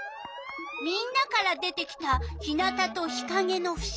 みんなから出てきた日なたと日かげのふしぎ。